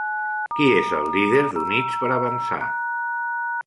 Qui és el líder d'Units per Avançar?